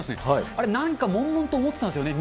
あれ、なんかもんもんと思ってたんですよね。